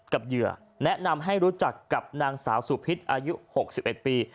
กับเหยื่อแนะนำให้รู้จักกับนางสาวสู่พิษอายุหกสิบเอ็ดปี